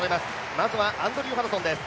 まずはアンドリュー・ハドソンです